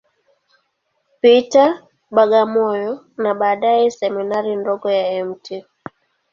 Peter, Bagamoyo, na baadaye Seminari ndogo ya Mt.